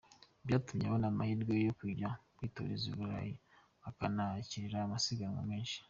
Byatumye abona amahirwe yo kujya kwitoreza i Burayi anahakinira amasiganwa menshi.